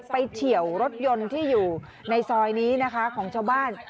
เฉียวรถยนต์ที่อยู่ในซอยนี้นะคะของชาวบ้าน